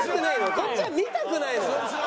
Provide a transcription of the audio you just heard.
こっちは見たくないのよ。